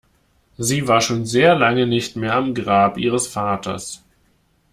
Sie war schon sehr lange nicht mehr am Grab ihres Vaters.